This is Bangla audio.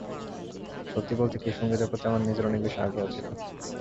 সত্যি বলতে কী, সংগীতের প্রতি আমার নিজের অনেক বেশি আগ্রহ ছিল।